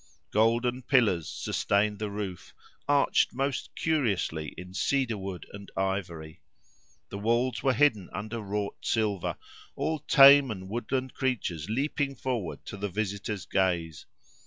Golden pillars sustained the roof, arched most curiously in cedar wood and ivory. The walls were hidden under wrought silver:—all tame and woodland creatures leaping forward to the visitor's gaze.